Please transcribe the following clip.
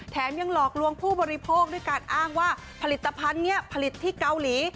ยังหลอกลวงผู้บริโภคด้วยการอ้างว่าผลิตภัณฑ์นี้ผลิตที่เกาหลี